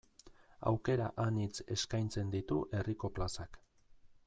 Aukera anitz eskaintzen ditu herriko plazak.